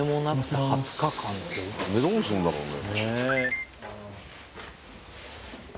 どうするんだろうね。